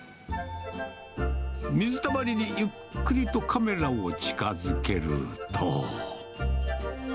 水たまりにゆっくりとカメラを近づけると。